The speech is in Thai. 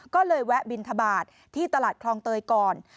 ก็เลยแวะบินทบาทที่ตลาดคลองเตยก่อน